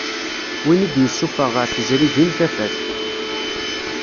Win i d-yessuffeɣ ɣer tezrigin tafat.